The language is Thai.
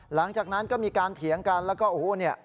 หลังจากนั้นก็มีการเถียงกันแล้วก็โอ้โหเนี่ย